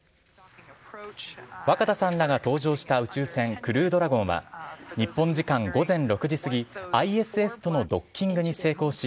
若田さんらが搭乗した宇宙船「クルードラゴン」は日本時間午前６時すぎＩＳＳとのドッキングに成功し